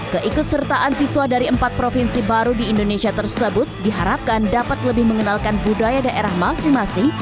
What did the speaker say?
keikut sertaan siswa dari empat provinsi baru di indonesia tersebut diharapkan dapat lebih mengenalkan budaya daerah masing masing